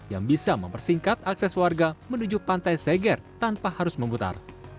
yang bisa mempersingkat akses warga menuju pantai seger tanpa harus memutar